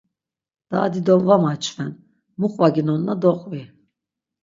Daa dido va maçven, mu qvaginonna doqvi.